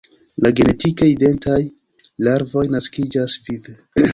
La genetike identaj larvoj naskiĝas vive.